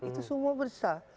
itu semua bersa